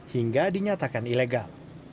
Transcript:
hingga dinyatakan ilegal